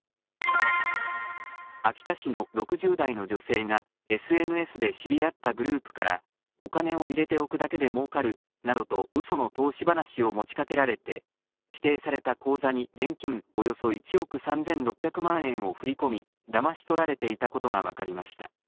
秋田市の６０代の女性が、ＳＮＳで知り合ったグループから、お金を入れておくだけでもうかるなどと、うその投資話を持ちかけられて、指定された口座に現金およそ１億３６００万円を振り込み、だまし取られていたことが分かりました。